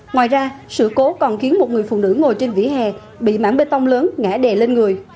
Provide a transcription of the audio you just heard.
ngoài ra sự cố còn khiến một người phụ nữ ngồi trên vỉa hè bị mảng bê tông lớn ngã đè lên người